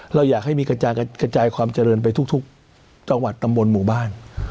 เราอยากให้มีกระจายความเจริญไปทุกจังหวัดตำบลหมู่บ้าน